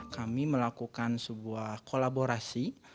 kami melakukan sebuah kolaborasi